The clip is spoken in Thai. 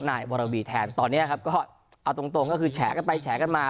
บัญชีของนายวรบีแทนตอนเนี้ยครับก็เอาตรงตรงก็คือแฉกกันไปแฉกกันมา